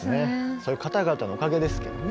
そういう方々のおかげですけどね。